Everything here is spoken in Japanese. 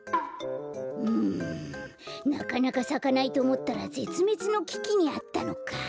うんなかなかさかないとおもったらぜつめつのききにあったのか。